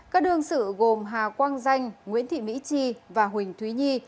các đương sự gồm hà quang danh nguyễn thị mỹ chi và huỳnh thúy nhi